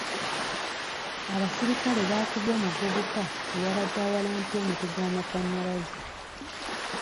Abaserikale baakutte omuvubuka eyabadde awalampye omuti gw'amasannyalaze.